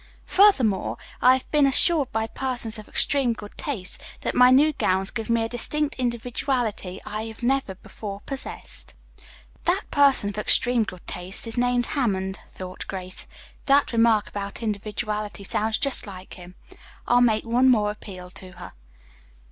"Furthermore, I have been assured by persons of extreme good taste that my new gowns give me a distinct individuality I have never before possessed." "That person of extreme good taste is named Hammond," thought Grace. "That remark about 'individuality' sounds just like him. I'll make one more appeal to her."